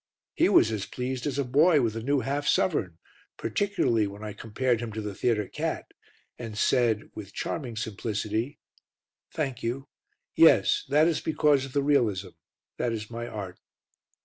He was as pleased as a boy with a new half sovereign, particularly when I compared him to the theatre cat, and said, with charming simplicity "Thank you. Yes; that is because of the realism; that is my art."